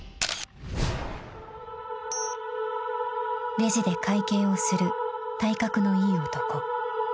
［レジで会計をする体格のいい男］